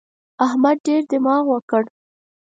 احمد ډېر دماغ وکړ.